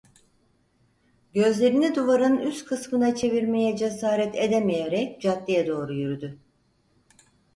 Gözlerini duvarın üst kısmına çevirmeye cesaret edemeyerek caddeye doğru yürüdü.